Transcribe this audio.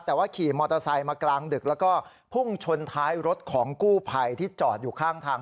แต่ว่าขี่มอเตอร์ไซค์มากลางดึกแล้วก็พุ่งชนท้ายรถของกู้ภัยที่จอดอยู่ข้างทาง